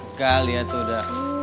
enggak liat udah